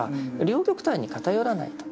両極端に偏らないと。